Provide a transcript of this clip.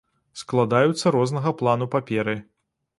Складаюцца рознага плану паперы.